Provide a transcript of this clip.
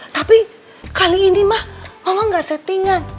tapi kali ini mah allah gak settingan